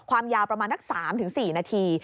ความยาวประมาณนัก๓๔นาที